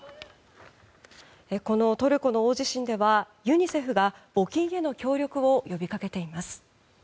このトルコの大地震ではユニセフが募金への協力を呼びかけています。